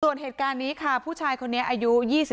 ส่วนเหตุการณ์นี้ค่ะผู้ชายคนนี้อายุ๒๓